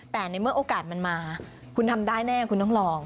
แต่ในเมื่อโอกาสมันมาคุณทำได้แน่คุณต้องลอง